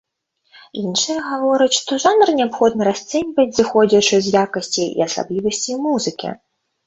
Іншыя гавораць, што жанр неабходна расцэньваць, зыходзячы з якасцей і асаблівасцей музыкі.